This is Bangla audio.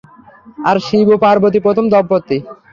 আর শিব ও পার্বতী প্রথম দম্পতি।